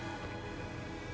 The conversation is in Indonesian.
dia patut bahagia ma